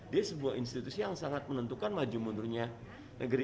dia sebuah institusi yang sangat menentukan maju mundurnya negeri